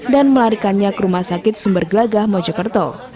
dan melarikannya ke rumah sakit sumber gelagah mojokerto